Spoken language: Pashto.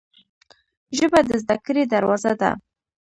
ژبه د زده کړې دروازه ده